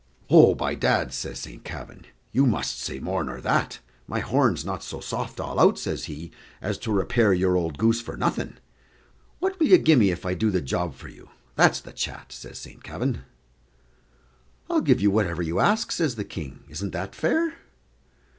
"Oh, by dad," says St. Kavin, "you must say more nor that my horn's not so soft all out," says he, "as to repair your old goose for nothing; what'll you gi' me if I do the job for you? that's the chat," says Saint Kavin. "I'll give you whatever you ask," says the King; "isn't that fair?"